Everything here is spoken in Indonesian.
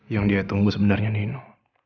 yang dia tunggu sebenarnya neno